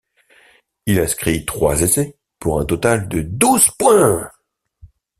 Il inscrit trois essais, pour un total de douze points.